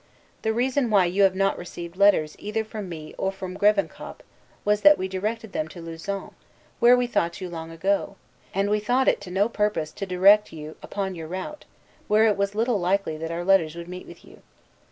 The reason why you have not received letters either from me or from Grevenkop was that we directed them to Lausanne, where we thought you long ago: and we thought it to no purpose to direct to you upon your ROUTE, where it was little likely that our letters would meet with you.